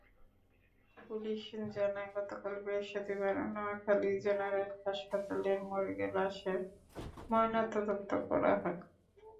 Police জানায়, গতকাল বৃহস্পতিবার নোয়াখালী জেনারেল হাসপাতালের মর্গে লাশের ময়নাতদন্ত করা হয়।